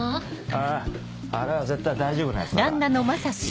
あぁあれは絶対大丈夫なやつだから。